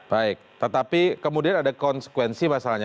baik tetapi kemudian ada konsekuensi masalahnya